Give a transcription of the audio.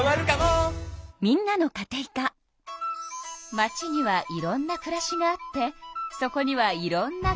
街にはいろんなくらしがあってそこにはいろんなカテイカが。